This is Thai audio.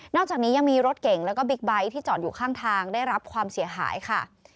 อกจากนี้ยังมีรถเก่งแล้วก็บิ๊กไบท์ที่จอดอยู่ข้างทางได้รับความเสียหายค่ะ